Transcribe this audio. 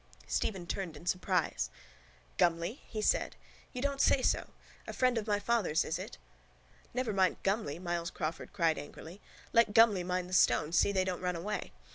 Stephen turned in surprise. —Gumley? he said. You don't say so? A friend of my father's, is it? —Never mind Gumley, Myles Crawford cried angrily. Let Gumley mind the stones, see they don't run away.